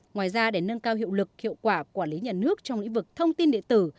ngoài ra để nâng cao hiệu lực hiệu quả quản lý nhà nước trong lĩnh vực thông tin điện tử